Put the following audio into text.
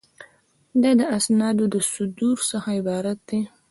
دا د اسنادو د صدور څخه عبارت دی.